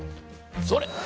それ。